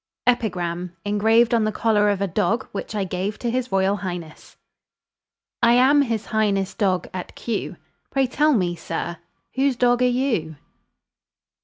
EPIGRAM, ENGRAVED ON THE COLLAR OF A DOG WHICH I GAVE TO HIS ROYAL HIGHNESS. I am His Highness' dog at Kew; Pray tell me, sir, whose dog are you?